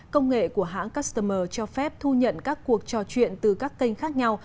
công nghệ của hãng customer cho phép thu nhận các cuộc trò chuyện từ các kênh khác nhau